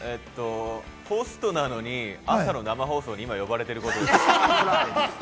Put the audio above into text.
ホストなのに、朝の生放送に今、呼ばれていることです。